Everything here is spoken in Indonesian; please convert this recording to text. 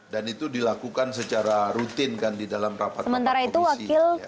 dan itu dilakukan secara rutin kan di dalam rapat rapat komisi